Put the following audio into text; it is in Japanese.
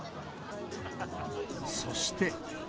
そして。